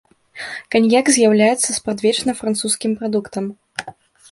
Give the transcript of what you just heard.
Каньяк з'яўляецца спрадвечна французскім прадуктам.